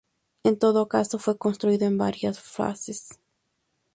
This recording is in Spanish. En todo caso, fue construido en varias fases.